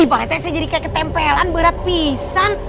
ih pak rete saya jadi kayak ketempelan berat pisang